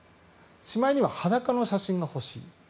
しまいには裸の写真が欲しいとか。